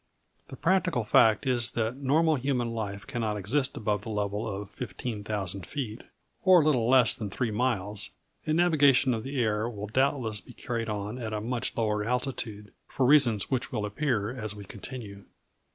The practical fact is that normal human life cannot exist above the level of 15,000 feet, or a little less than three miles; and navigation of the air will doubtless be carried on at a much lower altitude, for reasons which will appear as we continue.